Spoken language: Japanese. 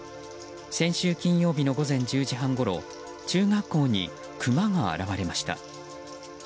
先週金曜日の午前１０時半ごろ中学校にクマが現れました。